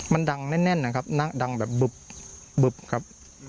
มันดังแน่นนะครับดังแบบบึบครับ